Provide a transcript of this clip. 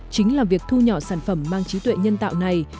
chính là việc thu nhỏ sản phẩm mang trí tuệ nhân tạo này